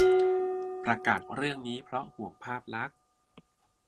- ประกาศเรื่องนี้เพราะห่วงภาพลักษณ์